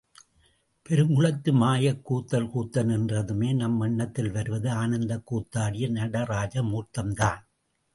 பெருங்குளத்து மாயக் கூத்தர் கூத்தன் என்றதுமே நம் எண்ணத்தில் வருவது ஆனந்தக் கூத்தாடிய நடராஜ மூர்த்தம்தான்.